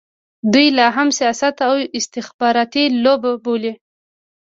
دوی لا هم سیاست د استخباراتي لوبه بولي.